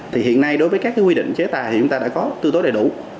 thì hiện nay đối với các quy định chế tài thì chúng ta đã có tư tối đầy đủ